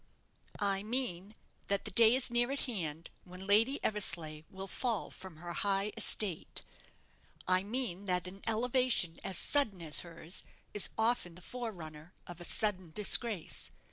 "I mean that the day is near at hand when Lady Eversleigh will fall from her high estate. I mean that an elevation as sudden as hers is often the forerunner of a sudden disgrace.